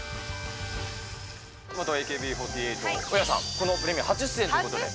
元ＡＫＢ４８・大家さん、このプレミアム初出演ということで。